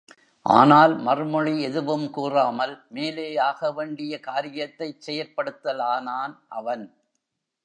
ஆனால் மறுமொழி எதுவும் கூறாமல் மேலே ஆகவேண்டிய காரியத்தைச் செயற்படுத்தலானான் அவன்.